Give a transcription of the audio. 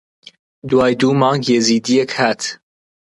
دوای دوو مانگ یەزیدییەک هات